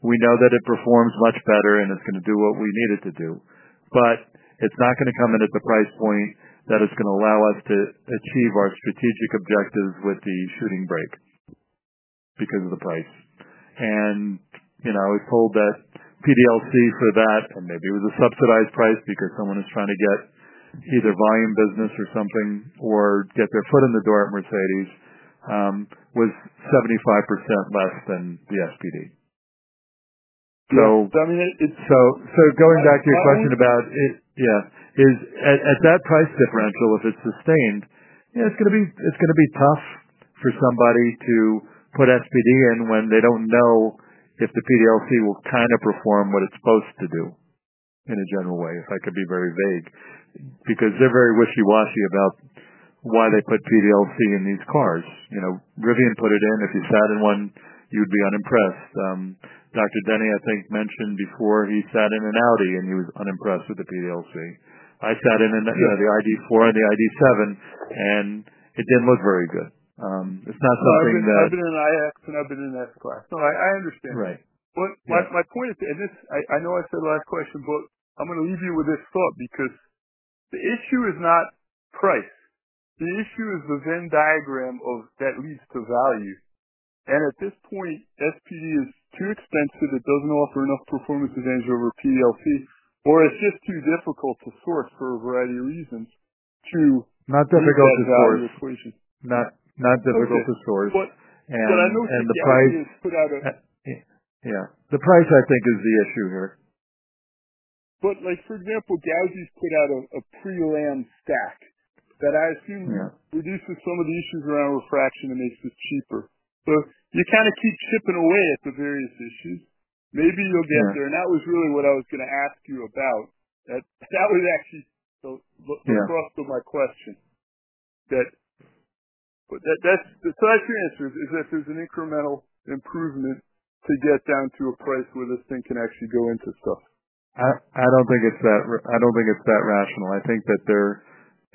We know that it performs much better, and it's going to do what we need it to do. It's not going to come in at the price point that is going to allow us to achieve our strategic objectives with the Shooting Brake because of the price. I was told that PDLC for that, and maybe it was a subsidized price because someone is trying to get either volume business or something or get their foot in the door at Mercedes, was 75% less than the SPD. Going back to your question about it, yeah, at that price differential, if it's sustained, yeah, it's going to be tough for somebody to put SPD in when they don't know if the PDLC will kind of perform what it's supposed to do in a general way, if I could be very vague, because they're very wishy-washy about why they put PDLC in these cars. You know, Rivian put it in. If you sat in one, you'd be unimpressed. Dr. Denny, I think, mentioned before he sat in an Audi, and he was unimpressed with the PDLC. I sat in the ID.4 and the ID.7, and it didn't look very good. It's not something that. I've been in an iX and I've been in an S-Class. I understand that. What my point is, and I know I said last question, but I'm going to leave you with this thought because the issue is not price. The issue is the Venn diagram that leads to value. At this point, SPD is too expensive. It doesn't offer enough performance advantage over PDLC, or it's just too difficult to source for a variety of reasons. Not difficult to source. Not difficult to source. I know somebody has put out a. Yeah, the price, I think, is the issue here. For example, Gauzy's put out a pre-lam stack that I assume reduces some of the issues around refraction and makes it cheaper. You kind of keep chipping away at the various issues. Maybe you'll get there. That was really what I was going to ask you about. That was actually the crux of my question. That's the answer, that there's an incremental improvement to get down to a price where this thing can actually go into stuff. I don't think it's that. I don't think it's that rational. I think that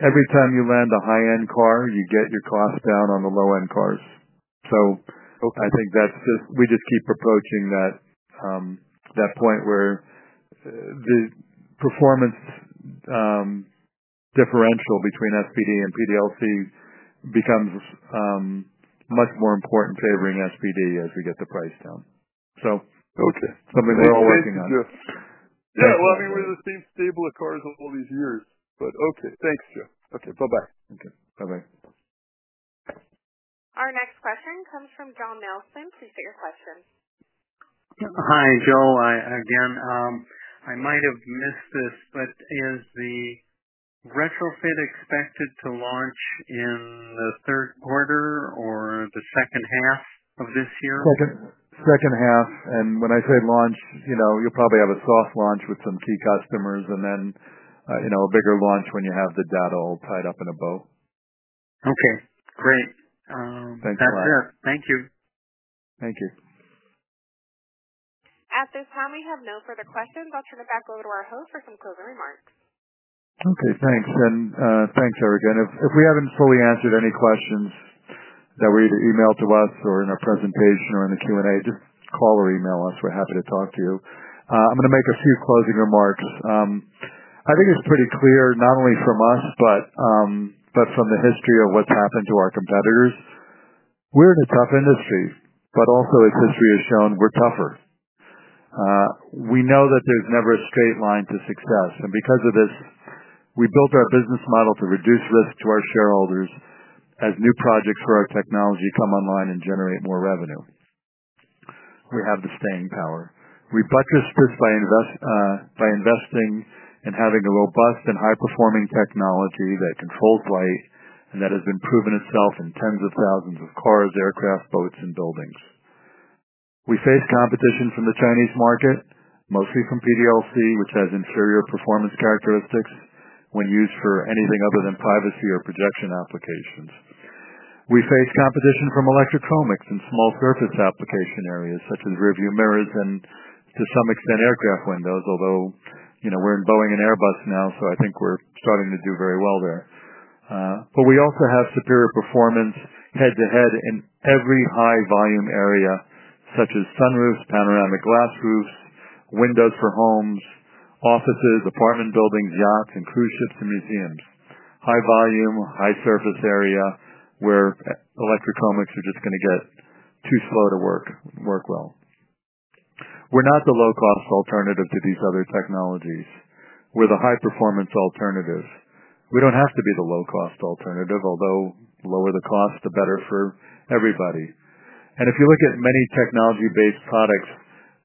every time you land a high-end car, you get your cost down on the low-end cars. I think we just keep approaching that point where the performance differential between SPD and PDLC becomes much more important, favoring SPD as we get the price down. That's something we're all working on. I mean, we've just been stable at cars all these years. Thanks, Joe. Okay. Bye-bye. Bye-bye. Our next question comes from John Nelson. Please state your question. Hi, Joe. Again, I might have missed this, but is the retrofit expected to launch in the third quarter or the second half of this year? Second half. When I say launch, you'll probably have a soft launch with some key customers, and then a bigger launch when you have the data all tied up in a bow. Okay. Great. Thanks a lot. That's fair. Thank you. Thank you. At this time, we have no further questions. I'll turn it back over to our host for some closing remarks. Okay. Thanks. Thanks, Eric. If we haven't fully answered any questions that were either emailed to us or in our presentation or in the Q&A, just call or email us. We're happy to talk to you. I'm going to make a few closing remarks. I think it's pretty clear, not only from us, but from the history of what's happened to our competitors. We're in a tough industry, but also its history has shown we're tougher. We know that there's never a straight line to success. Because of this, we built our business model to reduce risk to our shareholders as new projects for our technology come online and generate more revenue. We have the staying power. We buttress this by investing and having a robust and high-performing technology that controls light and that has proven itself in tens of thousands of cars, aircraft, boats, and buildings. We face competition from the Chinese market, mostly from PDLC, which has inferior performance characteristics when used for anything other than privacy or projection applications. We face competition from electric chromics in small surface application areas such as rearview mirrors and, to some extent, aircraft windows, although you know we're in Boeing and Airbus now, so I think we're starting to do very well there. We also have superior performance head-to-head in every high-volume area such as sunroofs, panoramic glass roofs, windows for homes, offices, apartment buildings, yachts, cruise ships, and museums. High volume, high surface area where electric chromics are just going to get too slow to work well. We're not the low-cost alternative to these other technologies. We're the high-performance alternative. We don't have to be the low-cost alternative, although lower the cost, the better for everybody. If you look at many technology-based products,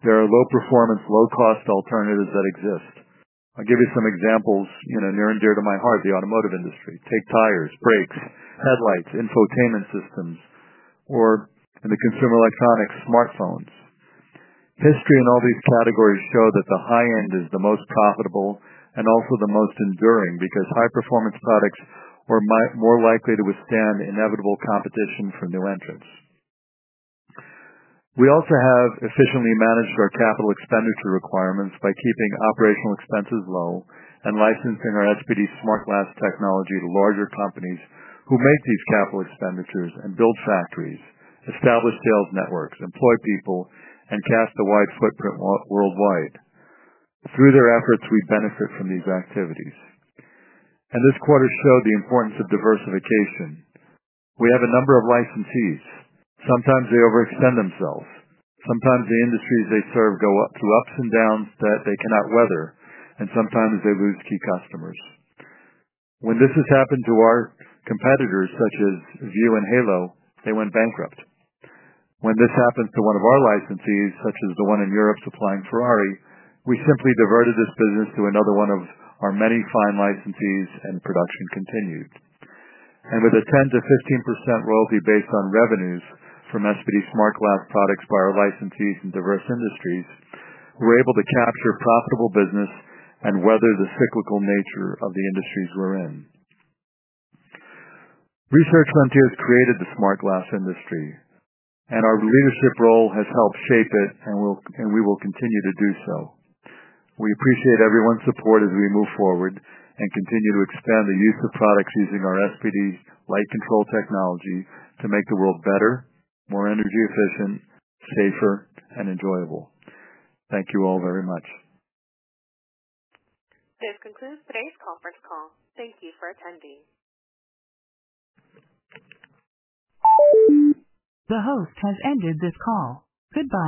there are low-performance, low-cost alternatives that exist. I'll give you some examples, you know, near and dear to my heart, the automotive industry. Take tires, brakes, headlights, infotainment systems, or in the consumer electronics, smartphones. History in all these categories shows that the high-end is the most profitable and also the most enduring because high-performance products are more likely to withstand inevitable competition from new entrants. We also have efficiently managed our capital expenditure requirements by keeping operational expenses low and licensing our SPD-SmartGlass technology to larger companies who make these capital expenditures and build factories, establish sales networks, employ people, and cast a wide footprint worldwide. Through their efforts, we benefit from these activities. This quarter showed the importance of diversification. We have a number of licensees. Sometimes they overextend themselves. Sometimes the industries they serve go through ups and downs that they cannot weather. Sometimes they lose key customers. When this has happened to our competitors such as View and Halo, they went bankrupt. When this happens to one of our licensees, such as the one in Europe supplying Ferrari, we simply diverted this business to another one of our many fine licensees, and production continued. With a 10%-15% royalty based on revenues from SPD-SmartGlass products by our licensees in diverse industries, we're able to capture profitable business and weather the cyclical nature of the industries we're in. Research Frontiers created the smart glass industry, and our leadership role has helped shape it, and we will continue to do so. We appreciate everyone's support as we move forward and continue to expand the use of products using our SPD-SmartGlass light control technology to make the world better, more energy-efficient, safer, and enjoyable. Thank you all very much. This concludes today's conference call. Thank you for attending. The host has ended this call. Goodbye.